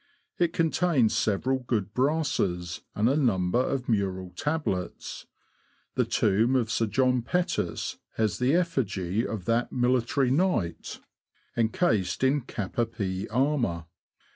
It con tains several good brasses, and a number of mural tablets. The tomb of Sir J. Pettus has the effigy of that military knight, encased in cap a pie armour.